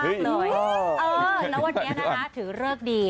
แล้ววันนี้ถือเลิกดี